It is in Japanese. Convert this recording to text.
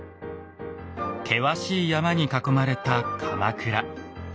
険しい山に囲まれた鎌倉。